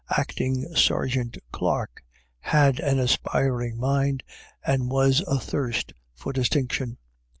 Acting Sergeant Clarke had an aspiring mind, and was athirst for distinction.